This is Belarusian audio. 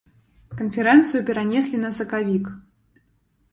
Канферэнцыю перанеслі на красавік.